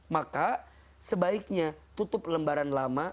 maka sebaiknya tutup lembaran lama